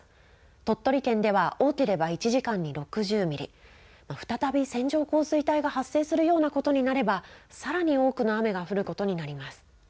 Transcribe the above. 鳥取県では、多ければ１時間に再び線状降水帯が発生するようなことになれば、さらに多くの雨が降ることになります。